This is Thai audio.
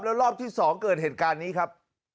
แล้วรอบที่๒เกิดเหตุการณ์นี้ครับ